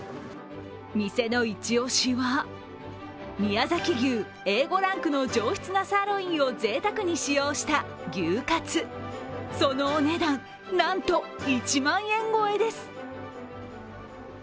店のイチ押しは宮崎牛Ａ５ランクの上質なサーロインをぜいたくに使用した牛かつそのお値段、なんと１万円超えです。